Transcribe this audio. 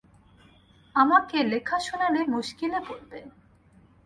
আমাকে লেখা শোনালে মুশকিলে পড়বে।